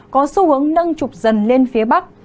có xu hướng nâng trục dần lên phía bắc